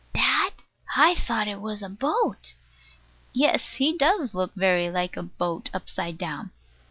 That? I thought it was a boat. Yes. He does look very like a boat upside down.